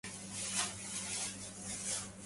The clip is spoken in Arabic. كل فضل لكل نوع وجنس